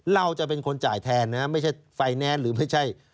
เราจะเป็นคนจ่ายแทนนะไม่ใช่ไฟแนนซ์หรือไม่ใช่